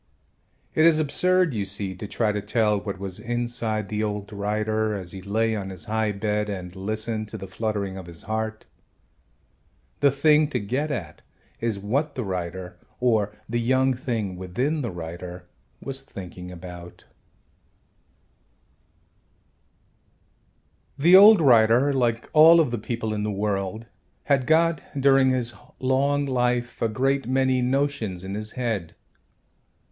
It is absurd, you see, to try to tell what was inside the old writer as he lay on his high bed and listened to the fluttering of his heart. The thing to get at is what the writer, or the young thing within the writer, was thinking about. The old writer, like all of the people in the world, had got, during his long life, a great many notions in his head.